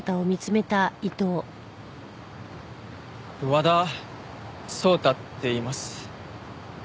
和田颯太っていいます。